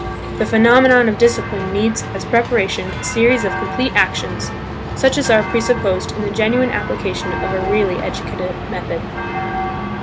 The phenomenon of discipline needs as preparation a series of complete actions, such as are presupposed in the genuine application of a really educative method.